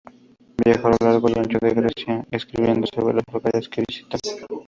Viajó a lo largo y ancho de Grecia, escribiendo sobre los lugares que visitó.